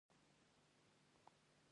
د پلاستیکي بوټانو تولید لرو؟